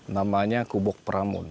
namanya kubuk pramun